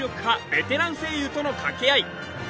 ベテラン声優との掛け合い